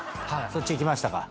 そっちいきましたか。